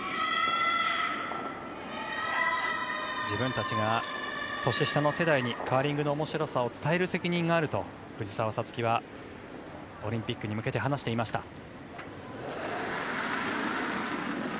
自分たちが年下の世代にカーリングのおもしろさを伝える責任があると藤澤五月はオリンピックに向けて話していました。